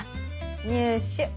「入手」。